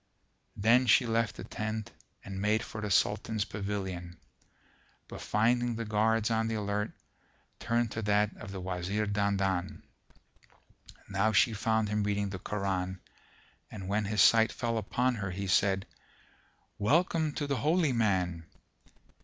Then she left the tent and made for the Sultan's pavilion, but finding the guards on the alert, turned to that of the Wazir Dandan. Now she found him reading the Koran and when his sight fell upon her he said, "Welcome to the Holy Man!"